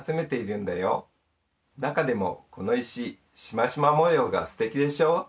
なかでもこのいししましまもようがすてきでしょ。